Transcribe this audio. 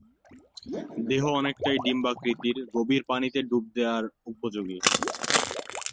দেহ অনেকটাই ডিম্বাকৃতির, গভীর পানিতে ডুব দেওয়ার উপযোগী।